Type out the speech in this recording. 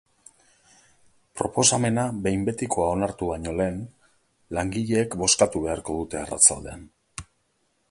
Proposamena behin betiko onartu baino lehen, langileek bozkatu beharko dute arratsaldean.